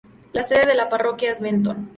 La sede de la parroquia es Benton.